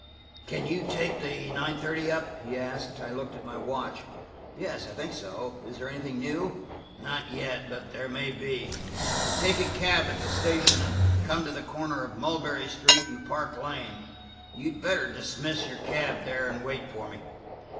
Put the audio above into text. "Can you take the nine thirty up?" he asked. I looked at my watch. "Yes, I think so. Is there anything new?" "Not yet; there may be. Take a cab at the station and come to the corner of Mulberry Street and Park Lane. You'd better dismiss your cab there and wait for me."